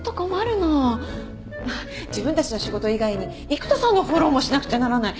自分たちの仕事以外に育田さんのフォローもしなくちゃならない。